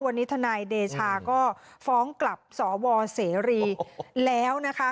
วันนี้ทนายเดชาก็ฟ้องกลับสวเสรีแล้วนะคะ